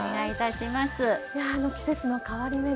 いやあの季節の変わり目で。